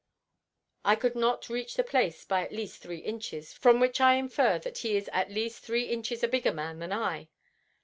I could not reach the place by at least three inches, from which I infer that he is at least three inches a bigger man than I.